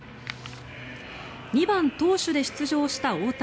２番投手で出場した大谷。